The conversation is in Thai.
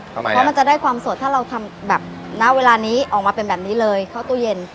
เพราะมันจะได้ความสดถ้าเราทำแบบณเวลานี้ออกมาเป็นแบบนี้เลยเข้าตู้เย็น